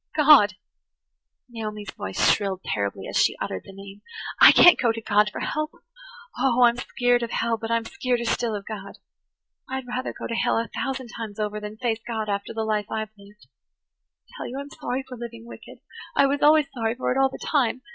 [Page 106] "God!" Naomi's voice shrilled terribly as she uttered the name. "I can't go to God for help. Oh, I'm skeered of hell, but I'm skeereder still of God. I'd rather go to hell a thousand times over than face God after the life I've lived. I tell you I'm sorry for living wicked–I was always sorry for it all the time.